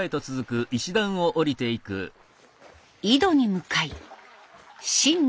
井戸に向かい新年